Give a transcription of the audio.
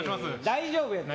大丈夫やって。